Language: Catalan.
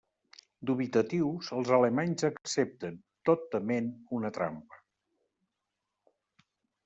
Dubitatius, els alemanys accepten, tot tement una trampa.